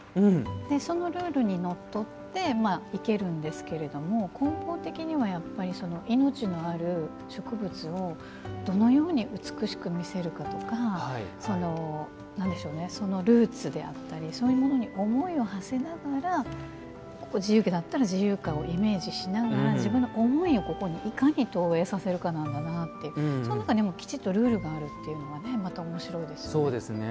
そのルールにのっとって生けるんですけれども根本的には命のある植物をどのように美しく見せるかとかそのルーツであったりそういうものに思いをはせながら自由であったら自由花をイメージしながら自分の思いをいかに投影させるかなんだなとその中にルールがあるのもおもしろいですよね。